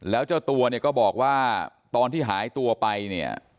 แล้วเจ้าตัวก็บอกว่าตอนที่หายตัวไป